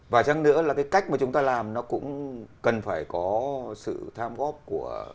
và chăng nữa là cái cách mà chúng ta làm nó cũng cần phải có sự tham góp của